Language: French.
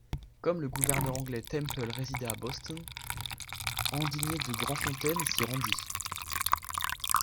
Comme le gouverneur anglais Temple résidait à Boston, Andigné de Grandfontaine s’y rendit.